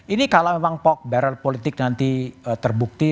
ini kalau memang barrel politik nanti terbukti